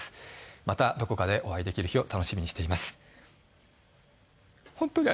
またどこかでお会いできる日を楽しみにしています